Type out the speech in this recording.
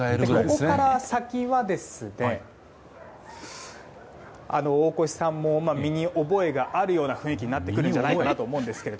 ここから先は大越さんも身に覚えがあるような雰囲気になってくるんじゃないかと思いますが。